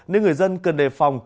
nên người dân cần đề phòng